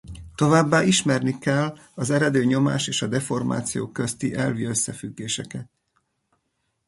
Továbbá ismerni kel az eredő nyomás és a deformáció közti elvi összefüggéseket.